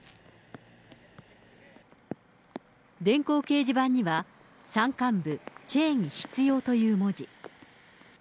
電光掲示板には、山間部、チェーン必要という文字。